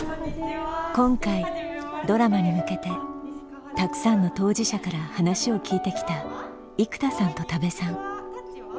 今回ドラマに向けてたくさんの当事者から話を聞いてきた生田さんと多部さん。